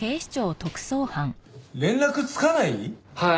連絡つかない？